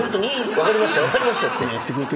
分かりましたって。